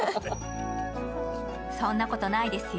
そんなことないですよ。